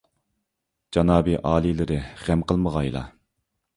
جانابىي ئالىيلىرى، غەم قىلمىغايلا.